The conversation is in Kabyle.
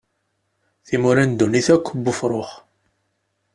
Timura n ddunit akk n ufrux.